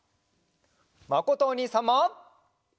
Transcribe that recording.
まことおにいさんも！